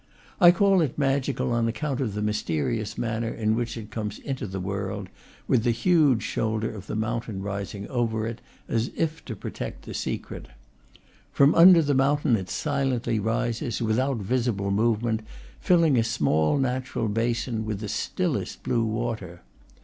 I call it magical on account of the mysterious manner in which it comes into the world, with the huge shoulder of the mountain rising over it, as if to protect the secret. From under the mountain it silently rises, without visible movement, filling a small natural basin with the stillest blue water.